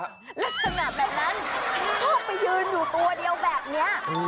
ลักษณะแบบนั้นชอบไปยืนอยู่ตัวเดียวแบบนี้